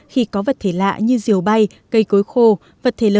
khi có vật thể lạ như diều bay cây cối khô vật thể lớn